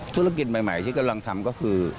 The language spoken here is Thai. ธุรกิจใหม่ที่กำลังทำก็คือ